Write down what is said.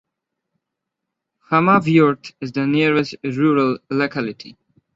Khamavyurt is the nearest rural locality.